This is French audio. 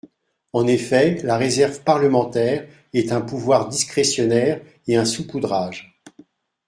En effet, la réserve parlementaire est un pouvoir discrétionnaire et un saupoudrage.